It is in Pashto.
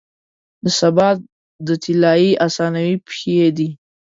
د سبا د طلایې اسانو پښې دی،